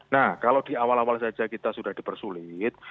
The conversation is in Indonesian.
nah kalau di awal awal saja kita sudah dipersulit